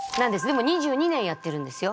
もう２２年やってるんですよ。